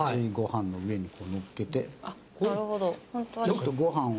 ちょっとご飯を。